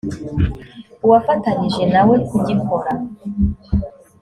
uwafatanyije na we kugikora